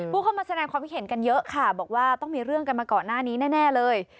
ผู้เข้ามาแสดงความคิดเห็นกันเยอะค่ะบอกว่าต้องมีเรื่องกันมาก่อนหน้านี้แน่เลย